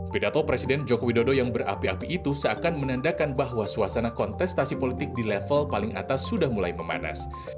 pidato presiden joko widodo yang berapi api itu seakan menandakan bahwa suasana kontestasi politik di level paling atas sudah mulai memanas